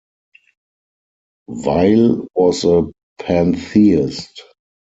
Weyl was a pantheist.